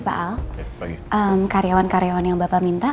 sial seumurnya pernah kalau dugaan n selber